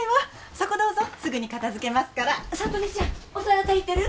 そこどうぞすぐに片づけますから聡美ちゃんお皿足りてる？